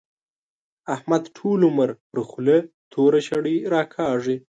احمد ټول عمر پر خوله توره شړۍ راکاږي.